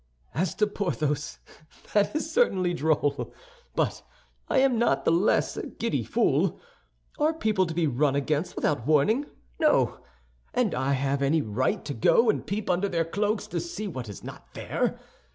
"As to Porthos, that is certainly droll; but I am not the less a giddy fool. Are people to be run against without warning? No! And have I any right to go and peep under their cloaks to see what is not there?